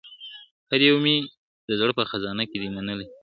هر یو مي د زړه په خزانه کي دی منلی `